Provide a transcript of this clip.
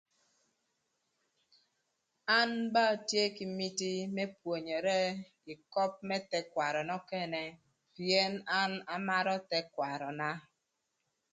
An ba atye kï miti më pwonyere ï köp më thëkwarö nökënë pïën an amarö thëkwaröna.